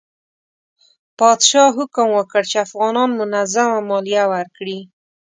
پادشاه حکم وکړ چې افغانان منظمه مالیه ورکړي.